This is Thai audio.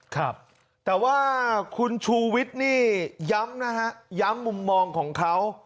ครับแต่ว่าคุณชูวิทย์นี่ย้ำนะฮะย้ำมุมมองของเขา